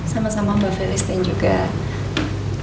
sama sama mbak felis dan juga